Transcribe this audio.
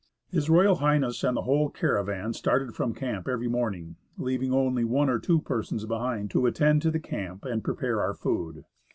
H.R.H, and the whole caravan started from cam[3 every morning, leaving only one or two persons behind to attend to the camp and prepare our food.